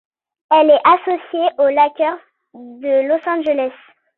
Elle est associée aux Lakers de Los Angeles.